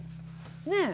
ねえ。